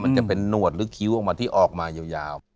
มันจะเป็นหนวดหรือคิ้วออกมาที่ออกมายาว